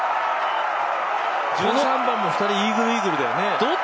１３番も２人、イーグル、イーグルだよね。